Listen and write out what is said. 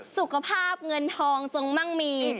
สุขภาพเงินทองจงมั่งมี